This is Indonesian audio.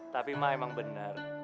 tapi mak emang benar